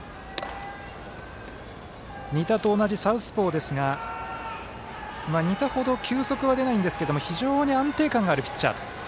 仁田と同じサウスポーですが仁田ほど球速は出ないんですけれども非常に安定感のあるピッチャーと。